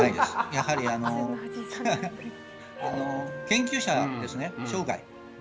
やはりあの研究者ですね生涯。